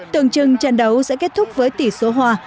tưởng chừng trận đấu sẽ kết thúc với tỷ số hòa